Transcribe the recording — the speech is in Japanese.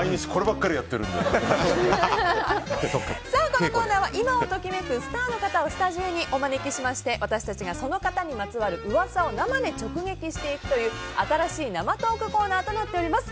このコーナーは今を時めくスターの方をスタジオにお招きしまして私たちがその方にまつわる噂を生で直撃していくという新しい生トークコーナーとなっています。